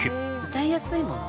歌いやすいもんね。